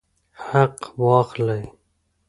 حق واخلئ